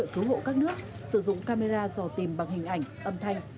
cứu hộ các nước sử dụng camera dò tìm bằng hình ảnh âm thanh